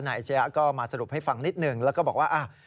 อาชญะก็มาสรุปให้ฟังนิดหนึ่งแล้วก็บอกว่า